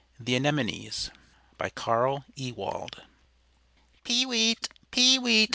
THE ANEMONES By Carl Ewald "Peeweet! peeweet!"